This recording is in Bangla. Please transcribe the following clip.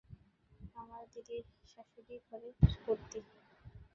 আমার দিদিশাশুড়িই ঘরের কর্ত্রী।